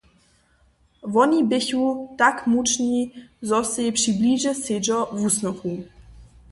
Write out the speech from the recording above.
Woni běchu tak mučni, zo sej při blidźe sedźo wusnychu.